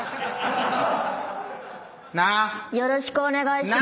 よろしくお願いします。